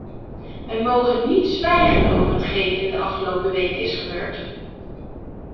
Wij mogen niet zwijgen over hetgeen in de afgelopen weken is gebeurd.